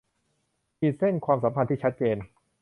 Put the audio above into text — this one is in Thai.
ขีดเส้นความสัมพันธ์ที่ชัดเจน